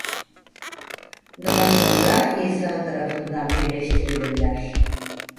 Daha sonra İsa tarafından birleştirilirler.